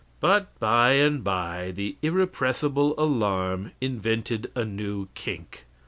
"But by and by the irrepressible alarm invented a new kink.